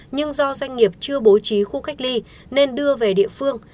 nhưng do doanh nghiệp chưa bố trí khu cách ly nên đưa về địa phương